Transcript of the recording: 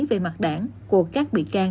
về mặt đảng của các bị can